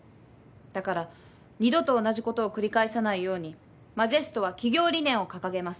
だから二度と同じことを繰り返さないようにＭＡＪＥＳＴは企業理念を掲げます。